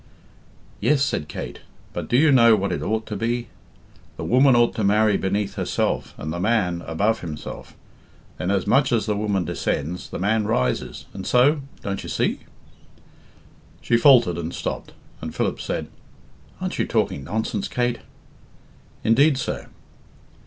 "Yes," said Kate, "but do you know what it ought to be? The woman ought to marry beneath herself, and the man above himself; then as much as the woman descends, the man rises, and so don't you see?" She faltered and stopped, and Philip said, "Aren't you talking nonsense,' Kate?" "Indeed, sir!"